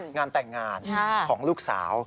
งานแต่งงานของลูกสาว